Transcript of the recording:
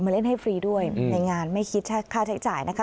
เล่นให้ฟรีด้วยในงานไม่คิดค่าใช้จ่ายนะคะ